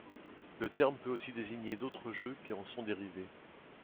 Le terme peut aussi désigner d'autres jeux qui en sont dérivés.